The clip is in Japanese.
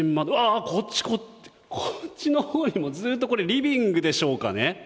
あっ、こっちのほうにもずっとリビングでしょうかね